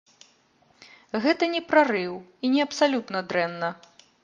Гэта не прарыў і не абсалютна дрэнна.